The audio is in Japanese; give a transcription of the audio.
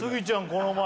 この前。